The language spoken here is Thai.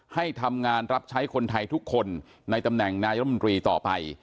ให้ทำงานรับใช้คนไทยทุกคนในตำแหน่งนายรัฐมนตรีต่อไป